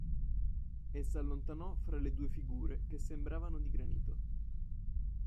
E s'allontanò fra le due figure che sembravano di granito.